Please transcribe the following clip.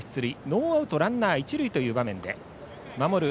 ノーアウトランナー、一塁という場面で守る